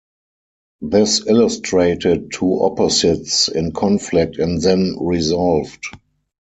This illustrated two opposites in conflict and then resolved.